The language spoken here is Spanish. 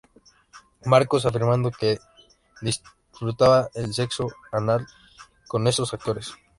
Marcus, afirmando que disfrutaba el tener sexo anal con estos actores.